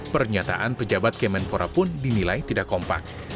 pernyataan pejabat kemenpora pun dinilai tidak kompak